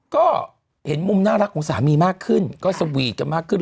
ก็เห็นมุมน่ารักของสามีมากขึ้นก็สวีทกันมากขึ้น